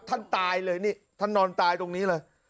ท่านตายเลยนี่ท่านนอนตายตรงนี้เลย